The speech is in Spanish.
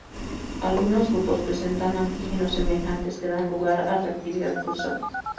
Algunos grupos presentan antígenos semejantes que dan lugar a reactividad cruzada.